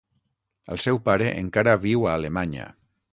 El seu pare encara viu a Alemanya.